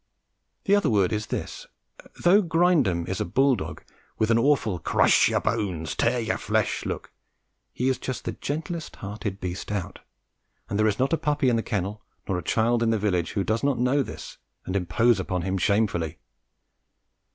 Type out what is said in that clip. The other word is this. Though Grindum is a bull dog with an awful "Crush your bones, tear your flesh" look, he is just the gentlest hearted beast out, and there is not a puppy in the kennel, nor a child in the village, who does not know this and impose on him shamefully.